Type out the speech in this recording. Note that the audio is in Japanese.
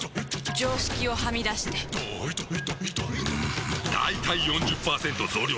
常識をはみ出してんだいたい ４０％ 増量作戦！